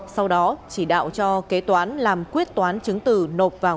sau đó chỉ đạo cho kế toán làm quyết toán chứng từ nộp